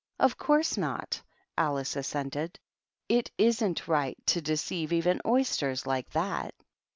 " Of course not," Alice assented. " It isn't rig to deceive even oysters, like that."